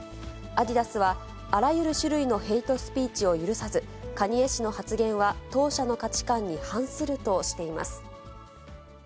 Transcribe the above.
アディダスは、あらゆる種類のヘイトスピーチを許さず、カニエ氏の発言は、当社の価値観に反するとしています。